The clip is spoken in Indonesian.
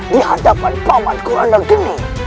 di hadapan paman kurang ada geni